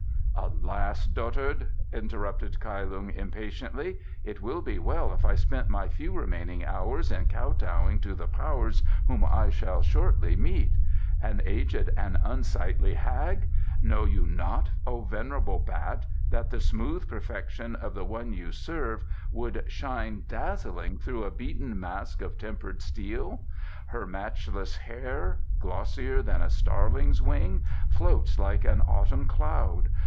"Alas! dotard," interrupted Kai Lung impatiently, "it would be well if I spent my few remaining hours in kowtowing to the Powers whom I shall shortly meet. An aged and unsightly hag! Know you not, O venerable bat, that the smooth perfection of the one you serve would shine dazzling through a beaten mask of tempered steel? Her matchless hair, glossier than a starling's wing, floats like an autumn cloud.